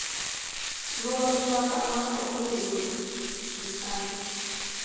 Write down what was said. Luor ma kama ok onego orum gi kanyo.